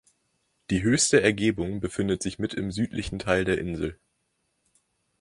Die höchste Ergebung befindet sich mit im südlichen Teil der Insel.